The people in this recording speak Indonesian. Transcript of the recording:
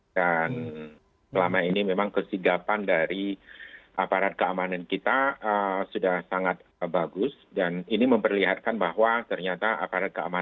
dan selama ini memang tidak ada yang mengatakan bahwa ini adalah hal yang tidak bisa dilakukan